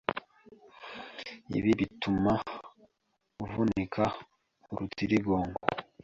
Ibi bituma avunika urutirigongo